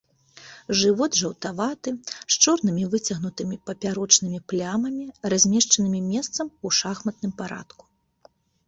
Жывот жаўтаваты, з чорнымі, выцягнутымі папярочнымі плямамі, размешчанымі месцамі ў шахматным парадку.